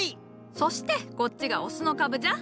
そしてこっちがオスの株じゃ。